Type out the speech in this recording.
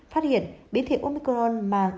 phát hiện biến thể omicron mang